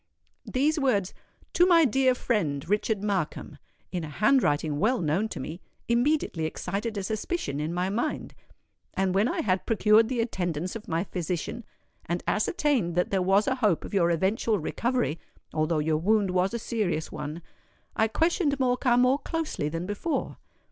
These words, 'To my dear friend, Richard Markham,' in a handwriting well known to me, immediately excited a suspicion in my mind; and when I had procured the attendance of my physician and ascertained that there was a hope of your eventual recovery—although your wound was a serious one—I questioned Morcar more closely than before.